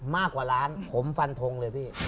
มากกว่าร้านเหมือนผมฟันทองเลยพี่